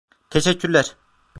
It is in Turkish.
Teşekkürler!